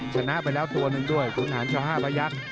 ชนะไปแล้วตัวนึงด้วยขุนหาชาวห้าประยักษ์